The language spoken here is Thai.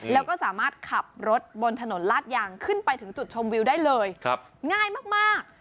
แล้วก็สามารถขับรถบนถนนลาดยางขึ้นไปถึงจุดชมวิวได้เลยง่ายมาก